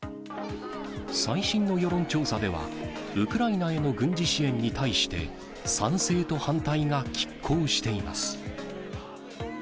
最新の世論調査では、ウクライナへの軍事支援に対して、賛成と反対がきっ抗しています。